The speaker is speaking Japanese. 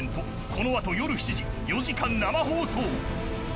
この後、夜７時、４時間生放送。